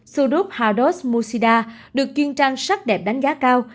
sudut hados mushida được chuyên trang sắc đẹp đánh giá cao